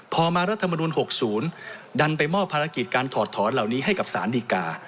พอมารัฐมนุน๖๐ดันไปมอบภารกิจการถอดถอนเหล่านี้ให้กับสารดีกา